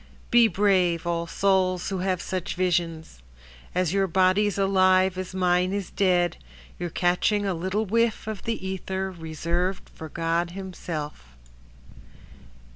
Be brave, all souls who have such visions As your body's alive as mine is dead, You're catching a little whiff of the ether Reserved for God Himself.